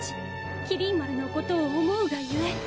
麒麟丸のことを想うが故。